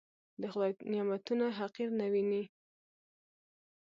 د خدای نعمتونه حقير نه وينئ.